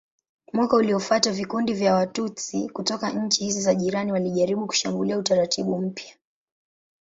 Mwaka uliofuata vikundi vya Watutsi kutoka nchi hizi za jirani walijaribu kushambulia utaratibu mpya.